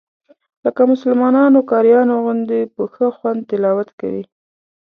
لکه مسلمانانو قاریانو غوندې په ښه خوند تلاوت کوي.